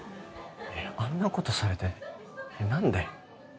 あんなことされて何で？